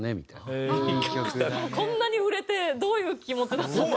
こんなに売れてどういう気持ちだったんですか？